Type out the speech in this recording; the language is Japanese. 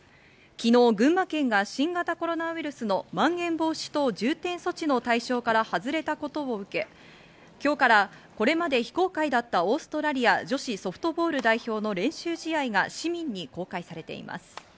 昨日、群馬県が新型コロナウイルスのまん延防止等重点措置の対象から外れたことを受け、今日からこれまで非公開だったオーストラリア女子ソフトボール代表の練習試合が市民に公開されています。